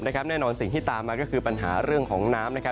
แน่นอนสิ่งที่ตามมาก็คือปัญหาเรื่องของน้ำ